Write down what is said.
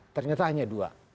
ternyata hanya dua